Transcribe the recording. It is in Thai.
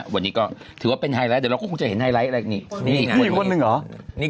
วันนี้ก็ถือว่าเป็นไฮไลท์เดี๋ยวเราก็คงจะเห็นไฮไลท์อะไรอย่างนี้